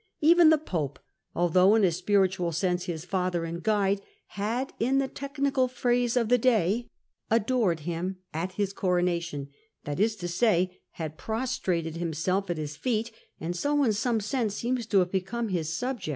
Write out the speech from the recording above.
Even the pope, although in a spiritual sense his father and guide, had, in the technical phase of the day, * adored ' him at his coronation — ^that is to say, had prostrated himself at his feet, and so in some sense seemed to have become his subject.